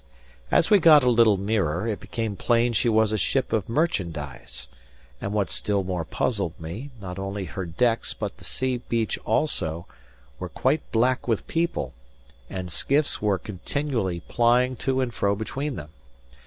As we got a little nearer, it became plain she was a ship of merchandise; and what still more puzzled me, not only her decks, but the sea beach also, were quite black with people, and skiffs were continually plying to and fro between them.